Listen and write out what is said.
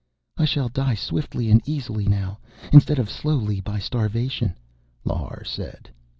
"I shall die swiftly and easily now, instead of slowly, by starvation," Lhar said.